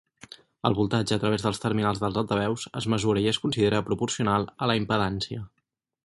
El voltatge a través dels terminals dels altaveus es mesura i es considera proporcional a la impedància.